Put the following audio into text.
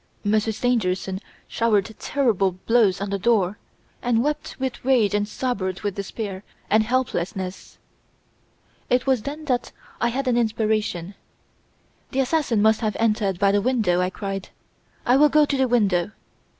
Monsieur Stangerson showered terrible blows on the door, and wept with rage and sobbed with despair and helplessness. "'It was then that I had an inspiration. "The assassin must have entered by the window!" I cried; "I will go to the window!"